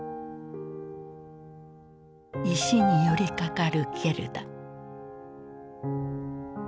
石に寄りかかるゲルダ。